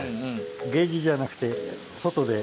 ケージじゃなくて外で。